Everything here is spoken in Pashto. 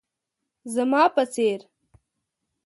زما په څير